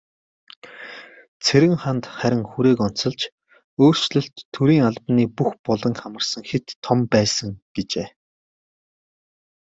Цэрэнханд харин хүрээг онцолж, "өөрчлөлт төрийн албаны бүх буланг хамарсан хэт том байсан" гэжээ.